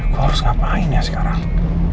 kau harus ngapain ya sekarang